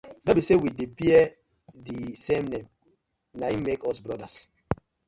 No bi say we dey bear di same na im make us brothers.